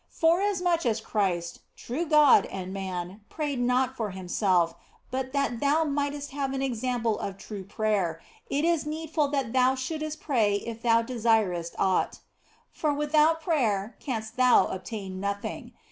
Forasmuch as Christ, true God and Man, prayed not for Himself, but that thou mightest have an example of true prayer, it is needful that thou shouldst pray if thou desirest aught. For without prayer canst thou obtain nothing.